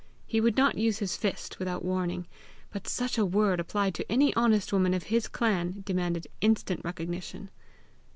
He would not use his fist without warning, but such a word applied to any honest woman of his clan demanded instant recognition.